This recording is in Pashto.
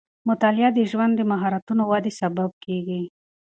مطالعه د ژوند د مهارتونو ودې سبب کېږي.